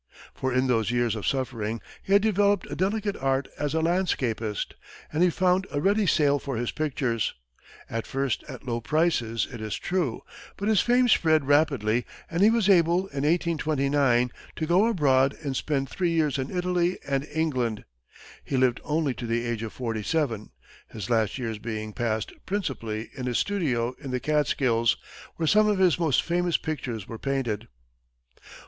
For in those years of suffering he had developed a delicate art as a landscapist, and he found a ready sale for his pictures, at first at low prices, it is true; but his fame spread rapidly, and he was able, in 1829, to go abroad and spend three years in Italy and England. He lived only to the age of forty seven, his last years being passed principally in his studio in the Catskills, where some of his most famous pictures were painted.